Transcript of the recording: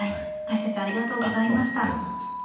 解説ありがとうございました。